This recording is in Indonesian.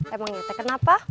emang nyetek kenapa